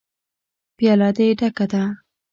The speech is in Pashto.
_پياله دې ډکه ده.